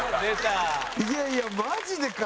いやいやマジでか！